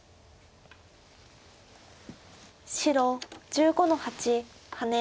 白１５の八ハネ。